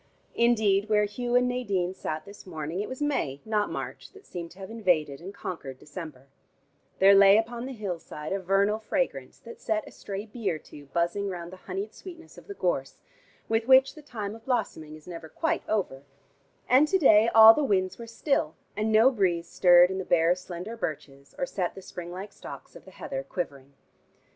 Indeed where Hugh and Nadine sat this morning, it was May not March that seemed to have invaded and conquered December; there lay upon the hillside a vernal fragrance that set a stray bee or two buzzing round the honied sweetness of the gorse with which the time of blossoming is never quite over, and to day all the winds were still, and no breeze stirred in the bare slender birches, or set the spring like stalks of the heather quivering.